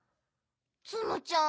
ツムちゃん